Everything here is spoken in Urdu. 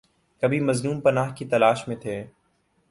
کبھی مظلوم پناہ کی تلاش میں تھے۔